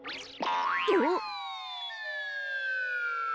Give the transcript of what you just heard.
おっ！